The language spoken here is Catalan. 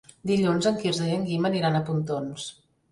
Dilluns en Quirze i en Guim aniran a Pontons.